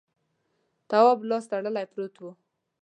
تواب لاس تړلی پروت و.